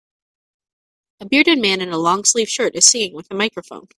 A bearded man in a longsleeve shirt is singing with a microphone.